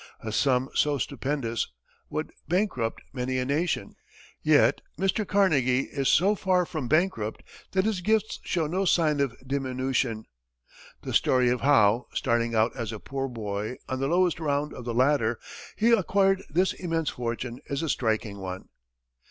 A sum so stupendous would bankrupt many a nation, yet Mr. Carnegie is so far from bankrupt that his gifts show no sign of diminution. The story of how, starting out as a poor boy, on the lowest round of the ladder, he acquired this immense fortune, is a striking one.